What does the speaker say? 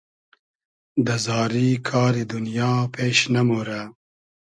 دۂ زاری کاری دونیا پېش نئمۉرۂ